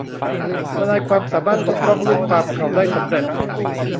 ทนายความสามารถปกป้องลูกความเขาได้สำเร็จ